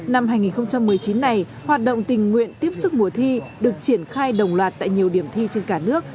năm hai nghìn một mươi chín này hoạt động tình nguyện tiếp sức mùa thi được triển khai đồng loạt tại nhiều điểm thi trên cả nước